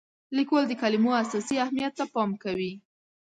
لیکوال د کلمو اساسي اهمیت ته پام کوي.